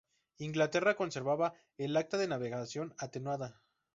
Inglaterra conservaba el "Acta de Navegación" atenuada.